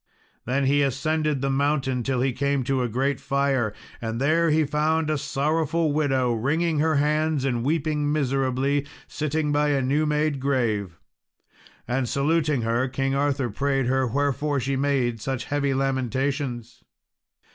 Then he ascended the mountain till he came to a great fire. And there he found a sorrowful widow wringing her hands and weeping miserably, sitting by a new made grave. And saluting her, King Arthur prayed her wherefore she made such heavy lamentations.